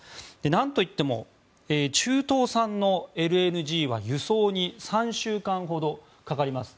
なんといっても中東産のＬＮＧは輸送に３週間ほどかかります。